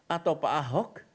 atau pak ahok